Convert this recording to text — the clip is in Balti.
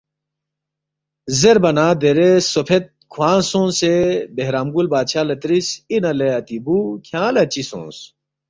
زیربا نہ درے سوفید کھوانگ سونگسے بہرام گول بادشاہ لہ ترِس، ”اِنا لے اتی بُو کھیانگ لہ چِہ سونگس؟“